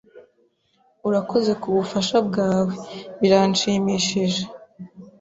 "Urakoze kubufasha bwawe." "Biranshimishije."